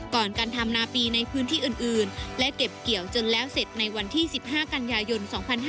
ก่อนการทำนาปีในพื้นที่อื่นและเก็บเกี่ยวจนแล้วเสร็จในวันที่๑๕กันยายน๒๕๕๙